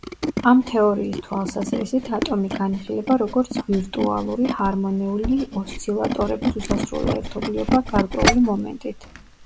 ამ თეორიის თვალსაზრისით, ატომი განიხილება როგორც ვირტუალური, ჰარმონიული ოსცილატორების უსასრულო ერთობლიობა გარკვეული მომენტით.